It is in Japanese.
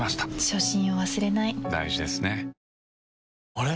あれ？